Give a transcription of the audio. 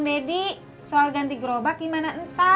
dia bilang kagak nemu dimana mana